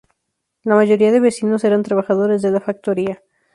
La mayoría de vecinos eran trabajadores de la factoría.